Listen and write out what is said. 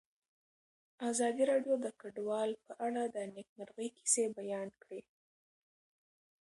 ازادي راډیو د کډوال په اړه د نېکمرغۍ کیسې بیان کړې.